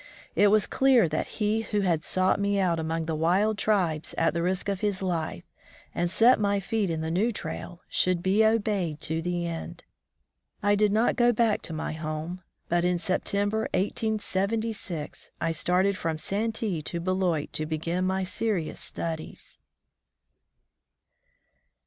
It was clear that he who had sought me out among the wild tribes at the risk of his life, and set my feet in the new trail, should be obeyed to the end. I did not go back to my home, but in September, 1876, I started from Santee to Beloit to begin my serious studies.